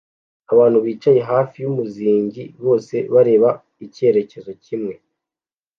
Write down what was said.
Abantu bicaye hafi yumuzingi bose bareba icyerekezo kimwe